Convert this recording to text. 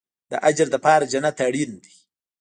د اجر لپاره جنت اړین دی